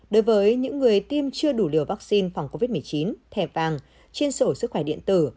đối với những người tiêm chưa đủ liều vaccine phòng covid một mươi chín thẻ vàng trên sổ sức khỏe điện tử